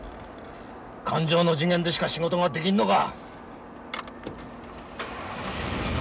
感情の次元でしか仕事ができんのか！